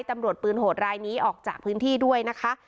ตำรวจปืนโหดรายนี้ออกจากพื้นที่ด้วยนะคะ